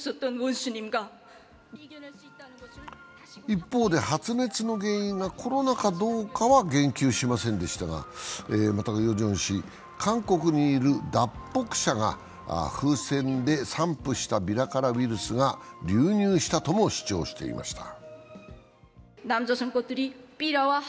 一方で、発熱の原因がコロナかどうかは言及しませんでしたがまた、ヨジョン氏、韓国にいる脱北者が風船で散布したビラからウイルスが流入したとも主張していました。